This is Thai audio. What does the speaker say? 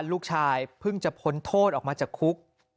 ลูกชายเพิ่งจะพ้นโทษออกมาจากคุก